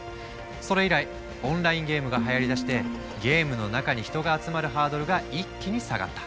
それ以来オンラインゲームがはやりだしてゲームの中に人が集まるハードルが一気に下がった。